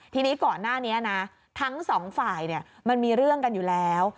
ทีนี้ก่อนหน้านี้นะทั้งสองฝ่ายมันมีเรื่องกันอยู่แล้ว